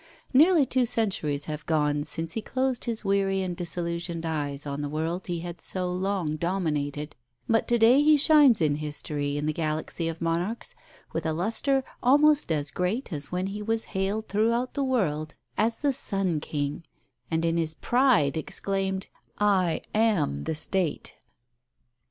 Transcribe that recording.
Nearly two centuries have gone since he closed his weary and disillusioned eyes on the world he had so long dominated; but to day he shines in history in the galaxy of monarchs with a lustre almost as great as when he was hailed throughout the world as the "Sun King," and in his pride exclaimed, "I am the State."